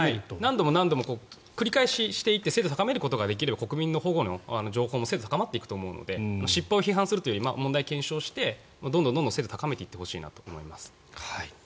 何度も何度も繰り返していって精度を高めることができれば国民の保護の情報も精度が高まっていくと思うので失敗を批判するというより問題を検証してどんどん精度を高めていってほしいなと思います。